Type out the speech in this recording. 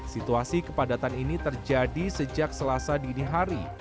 situasi kepadatan ini terjadi sejak selasa dini hari